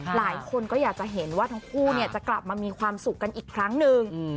หลายคนก็อยากจะเห็นว่าทั้งคู่จะกลับมามีความสุขกันอีกครั้งหนึ่ง